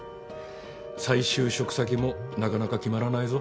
再就職先もなかなか決まらないぞ。